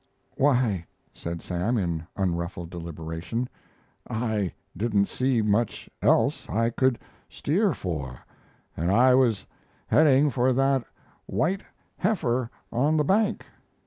"Why," said Sam, in unruffled deliberation, "I didn't see much else I could steer for, and I was heading for that white heifer on the bank."